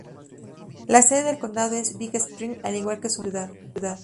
La sede del condado es Big Spring, al igual que su mayor ciudad.